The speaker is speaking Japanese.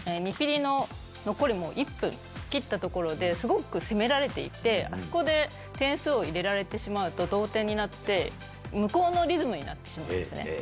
２ピリの残り１分切ったところで、すごく攻められていて、あそこで点数を入れられてしまうと、同点になって、向こうのリズムになってしまうんですね。